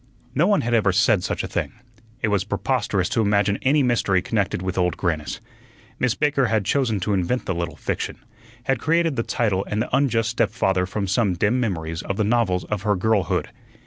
No one had ever said such a thing. It was preposterous to imagine any mystery connected with Old Grannis. Miss Baker had chosen to invent the little fiction, had created the title and the unjust stepfather from some dim memories of the novels of her girlhood.